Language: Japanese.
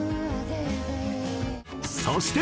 そして。